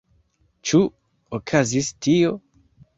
Ĉu okazis tio?